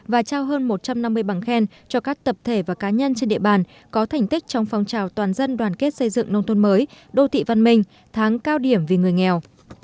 và trao hơn một trăm năm mươi bằng khen cho các tập thể và cá nhân trên địa bàn có thành tích trong phong trào toàn dân đoàn kết xây dựng nông thôn mới đô thị văn minh tháng cao điểm vì người nghèo